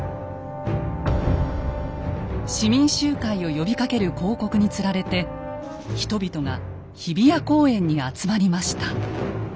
市民集会を呼びかける広告につられて人々が日比谷公園に集まりました。